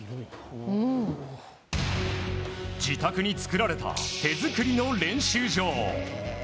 自宅に作られた手作りの練習場。